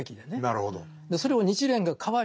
なるほど。